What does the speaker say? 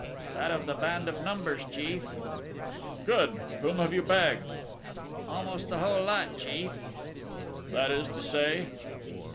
"That of the band of Numbers, chief." "Good! Whom have you bagged?" "Almost the whole lot, chief!" "That is to say?"